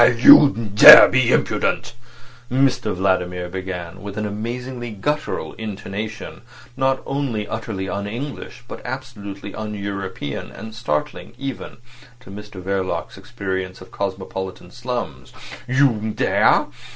"Aha! You dare be impudent," Mr Vladimir began, with an amazingly guttural intonation not only utterly un English, but absolutely un European, and startling even to Mr Verloc's experience of cosmopolitan slums. "You dare!